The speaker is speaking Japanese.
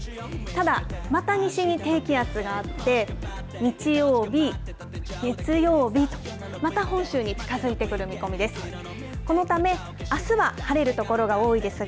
ただ、また西に低気圧があって、日曜日、月曜日と、また本州に近づいてくる見込みです。